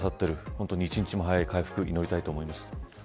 本当に１日も早い回復を祈りたいと思います。